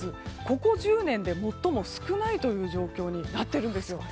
ここ１０年で最も少ないという状況になっているんですよ。